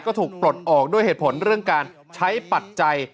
ก็ถูกปลดออกด้วยเหตุผลเรื่องการใช้ปัจจัย